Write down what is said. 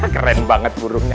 keren banget burungnya